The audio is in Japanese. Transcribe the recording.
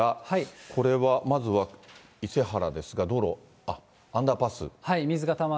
これは、まずは伊勢原ですか、道路、アンダーパス。